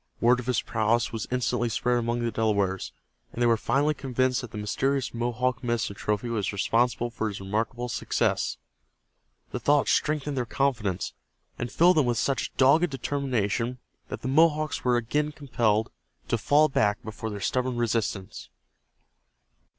Word of his prowess was instantly spread among the Delawares, and they were finally convinced that the mysterious Mohawk medicine trophy was responsible for his remarkable success. The thought strengthened their confidence, and filled them with such dogged determination that the Mohawks were again compelled to fall back before their stubborn resistance.